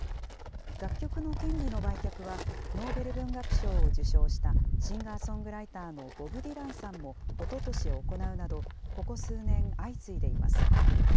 楽曲の権利の売却は、ノーベル文学賞を受賞したシンガーソングライターのボブ・ディランさんもおととし行うなど、ここ数年、相次いでいます。